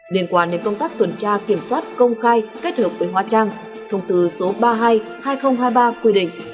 điện quả nền công tác tuần tra kiểm soát công khai kết hợp với hóa trang thông tử số ba mươi hai hai nghìn hai mươi ba quy định